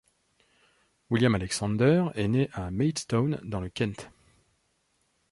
William Alexander est né à Maidstone dans le Kent.